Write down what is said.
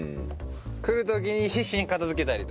来る時に必死に片付けたりとか。